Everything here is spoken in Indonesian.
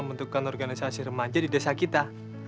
menentukan organisasi remaja di desa kita